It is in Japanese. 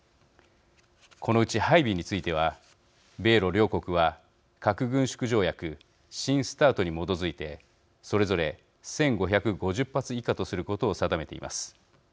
このうち配備については米ロ両国は核軍縮条約新ＳＴＡＲＴに基づいてそれぞれ１５５０発以下とすることを定めています。